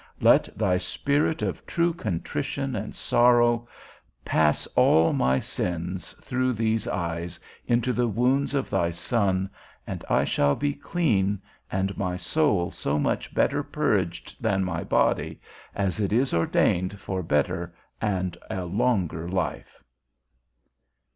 Let thy spirit of true contrition and sorrow pass all my sins, through these eyes, into the wounds of thy Son, and I shall be clean, and my soul so much better purged than my body, as it is ordained for better and a longer life.